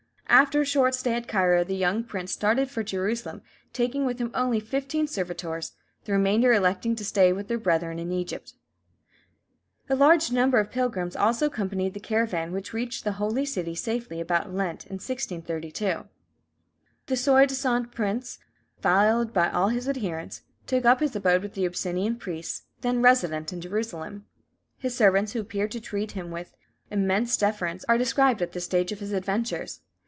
After a short stay at Cairo, the young prince started for Jerusalem, taking with him only fifteen servitors, the remainder electing to stay with their brethren in Egypt. A large number of pilgrims also accompanied the caravan, which reached the Holy City safely about Lent, 1632. The soi disant prince, followed by all his adherents, took up his abode with the Abyssinian priests then resident in Jerusalem. His servants, who appeared to treat him with immense deference, are described at this stage of his adventures.